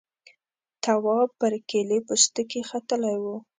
تواب پر کيلې پوستکي ختلی و.